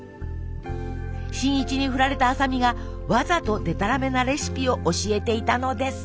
新一にふられた麻美がわざとでたらめなレシピを教えていたのです。